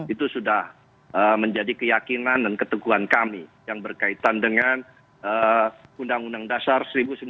itu sudah menjadi keyakinan dan keteguhan kami yang berkaitan dengan undang undang dasar seribu sembilan ratus empat puluh lima